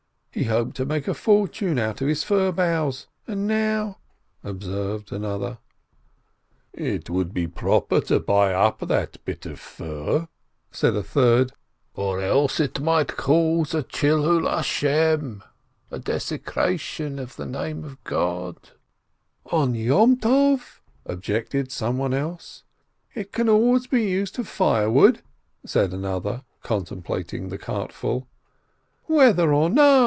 "He hoped to make a fortune out of his fir boughs, and now !" observed another. "It would be proper to buy up that bit of fir," said a third, "else it might cause a Chillul ha Shem." "On a festival?" objected some one else. "It can always be used for firewood," said another, contemplating the cartful. "Whether or no